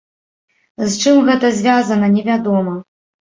З чым гэта звязана невядома.